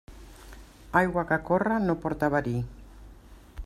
Aigua que corre no porta verí.